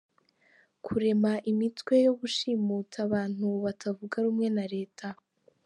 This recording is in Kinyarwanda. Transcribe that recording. – Kurema imitwe yo gushimuta abantu batavuga rumwe na leta;